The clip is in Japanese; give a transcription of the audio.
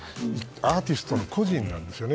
アーティスト、個人なんですよね。